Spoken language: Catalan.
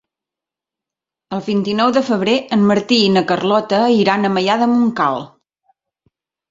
El vint-i-nou de febrer en Martí i na Carlota iran a Maià de Montcal.